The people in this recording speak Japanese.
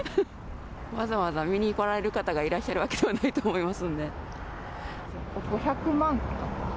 わざわざ見に来られる方がいらっしゃるわけではないと思いますので。